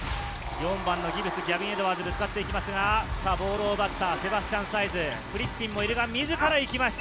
４番のギブス、ギャビン・エドワーズにぶつかっていきますが、ボールを奪ったセバスチャン・サイズ、自ら行きました。